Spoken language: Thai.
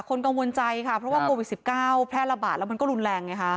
กังวลใจค่ะเพราะว่าโควิด๑๙แพร่ระบาดแล้วมันก็รุนแรงไงคะ